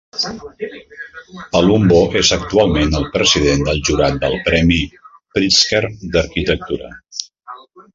Palumbo és actualment el president del jurat del Premi Pritzker d'Arquitectura.